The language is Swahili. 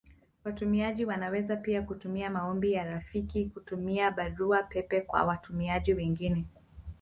Watumiaji wanaweza pia kutuma maombi ya rafiki kutumia Barua pepe kwa watumiaji wengine.